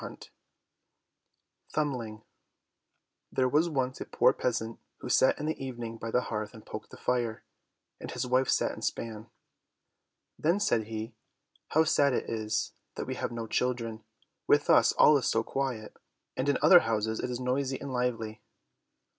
37 Thumbling There was once a poor peasant who sat in the evening by the hearth and poked the fire, and his wife sat and span. Then said he, "How sad it is that we have no children! With us all is so quiet, and in other houses it is noisy and lively."